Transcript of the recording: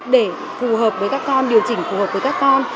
để phù hợp với các con điều chỉnh phù hợp với các con